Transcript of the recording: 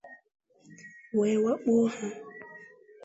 wee wakpo ha